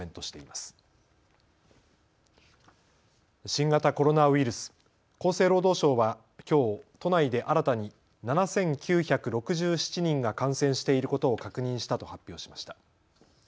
新型コロナウイルス、厚生労働省はきょう都内で新たに７９６７人が感染していることを確認したと発表しました。